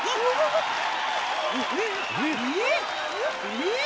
えっ？